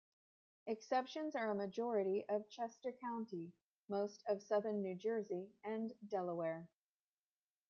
Exceptions are a majority of Chester County, most of southern New Jersey, and Delaware.